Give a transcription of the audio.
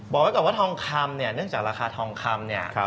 บอกไว้ก่อนว่าทองคำเนี่ยเนื่องจากราคาทองคำเนี่ย